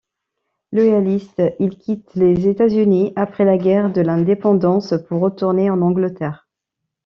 Loyaliste, il quitte les États-Unis après la guerre de l'Indépendance pour retourner en Angleterre.